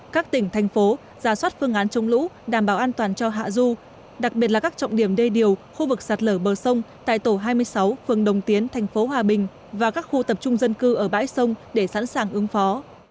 các tỉnh thành phố giả soát phương án chống lũ đảm bảo an toàn cho hạ du đặc biệt là các trọng điểm đê điều khu vực sạt lở bờ sông tại tổ hai mươi sáu phường đồng tiến thành phố hòa bình và các khu tập trung dân cư ở bãi sông để sẵn sàng ứng phó